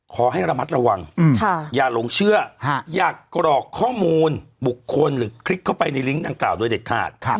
ขอให้ระมัดระวังอย่าหลงเชื่ออย่ากรอกข้อมูลบุคคลหรือคลิกเข้าไปในลิงก์ดังกล่าวโดยเด็ดขาด